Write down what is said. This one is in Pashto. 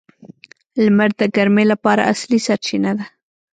• لمر د ګرمۍ لپاره اصلي سرچینه ده.